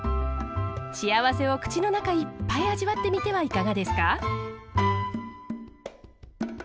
幸せを口の中いっぱい味わってみてはいかがですか？